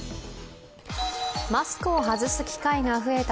マスクを外す機会が増えた